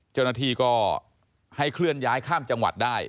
เจ้าหน้าที่ก็ให้เคลื่อนย้ายข้ามจังหวัดได้